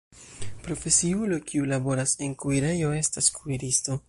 Profesiulo kiu laboras en kuirejo estas kuiristo.